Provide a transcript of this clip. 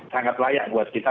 sangat layak buat kita